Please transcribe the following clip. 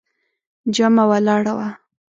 جمعه ولاړه وه.